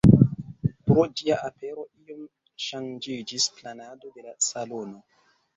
Pro ĝia apero iom ŝanĝiĝis planado de la salono.